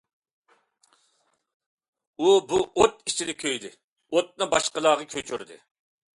ئۇ بۇ ئوت ئىچىدە كۆيدى، ئوتنى باشقىلارغا كۆچۈردى.